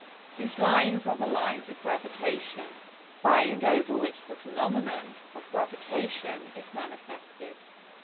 These "lines" are the "Lines of Gravitation," by and over which the phenomenon of Gravitation is manifested.